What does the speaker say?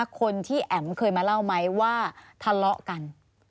คนที่แอ๋มเคยมาเล่าไหมว่าทะเลาะกัน